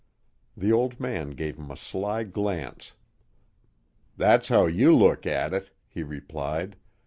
The old man gave him a sly glance. "That's how you look at it," he replied.